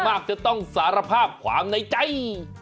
มากจะต้องสารภาพความในใจ